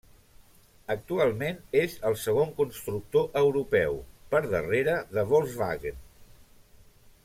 Actualment és el segon constructor europeu, per darrere de Volkswagen.